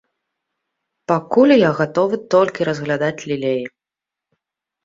Пакуль я гатовы толькі разглядаць лілеі.